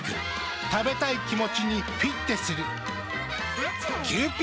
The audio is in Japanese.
食べたい気持ちにフィッテする。